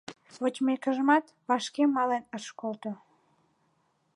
Вочмекыжат, вашке мален ыш колто.